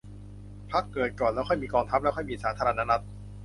พรรคเกิดก่อน แล้วค่อยมีกองทัพ แล้วค่อยมีสาธารณรัฐ